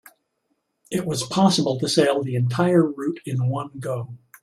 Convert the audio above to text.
It was possible to sail the entire route in one go.